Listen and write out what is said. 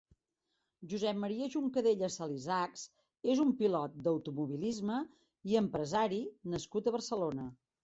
Josep Maria Juncadella Salisachs és un pilot d'automobilisme i empresari nascut a Barcelona.